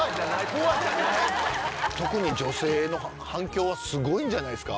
特に女性の反響はすごいんじゃないですか？